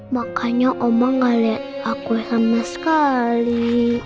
makanya omong gak lihat aku sama sekali